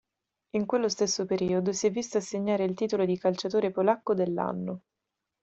In quello stesso periodo si è visto assegnare il titolo di calciatore polacco dell'anno.